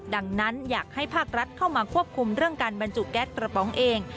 ดังนั้นอยากให้ภาครัฐเข้ามาควบคุมเรื่องการบรรจุแก๊สกระป๋องเอง